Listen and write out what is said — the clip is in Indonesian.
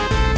ya itu dia